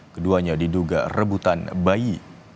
keduanya diduga rebutan bayi